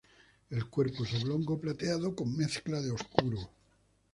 El cuerpo es oblongo, plateado, con mezcla de obscuro.